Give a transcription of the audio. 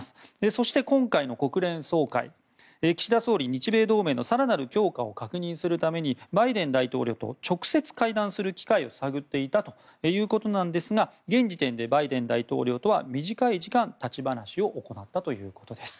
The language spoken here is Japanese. そして今回の国連総会岸田総理は日米同盟の更なる強化を確認するためにバイデン大統領と直接会談する機会を探っていたということなんですが現時点でバイデン大統領とは短い時間立ち話を行ったということです。